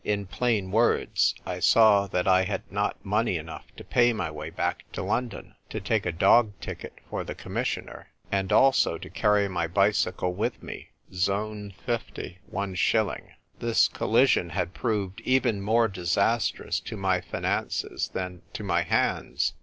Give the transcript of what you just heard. In plain words, I saw that I had not money enough to pay my way back to London, to take a dog ticket for the Com missioner, and also to carry my bicycle with me (zone 50, one shilling.) This collision had proved even more disastrous to my finances than to my hands.